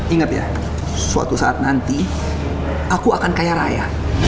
ingat ya suatu saat nanti aku akan kaya raya